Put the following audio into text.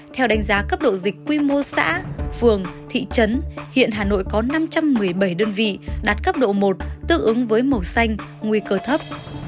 theo đánh giá cấp độ dịch quy mô xã phường thị trấn hiện hà nội có năm trăm một mươi bảy đơn vị đạt cấp độ một tương ứng với màu xanh nguy cơ thấp